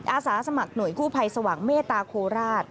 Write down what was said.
อาสาสมัครหน่วยกู้ภัยสว่างเมตตาโคราช